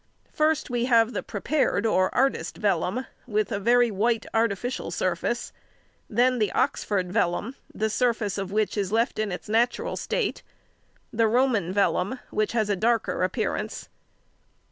First, we have the prepared or artist's vellum, with a very white artificial surface; then the Oxford vellum, the surface of which is left in its natural state; the Roman vellum, which has a darker appearance.